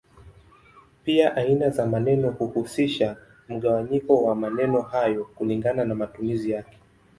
Pia aina za maneno huhusisha mgawanyo wa maneno hayo kulingana na matumizi yake.